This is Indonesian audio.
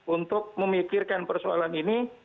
untuk memikirkan persoalan ini